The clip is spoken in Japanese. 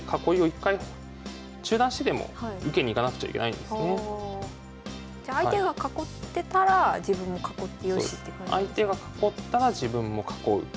なので相手がじゃ相手が囲ってたら自分も囲ってよしって感じなんですか？